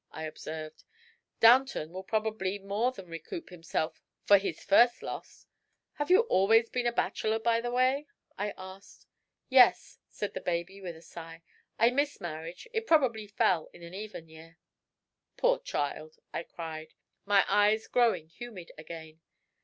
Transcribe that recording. I observed. "Downton will probably more than recoup himself for his first loss. Have you always been a bachelor, by the way?" I asked. "Yes," said the baby, with a sigh. "I missed marriage; it probably fell in an even year." "Poor child!" I cried, my eyes growing humid again.